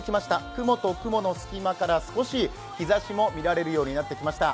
雲と雲の隙間から少し、日ざしも見られるようになってきました